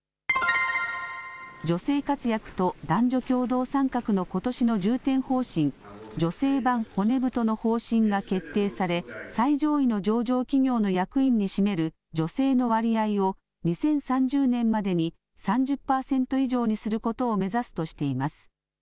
女性活躍と男女共同参画のことしの重点方針、女性版骨太の方針が決定され、最上位の上場企業の役員に占める女性の割合を、２０３０年までに３０％以上にすることを目指すとしています。